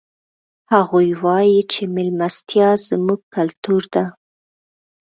هغوی وایي چې مېلمستیا زموږ کلتور ده